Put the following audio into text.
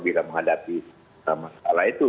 bila menghadapi masalah itu